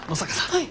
はい。